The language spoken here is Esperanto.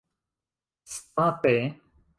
state